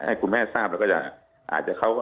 ให้คุณแม่ทราบแล้วก็จะ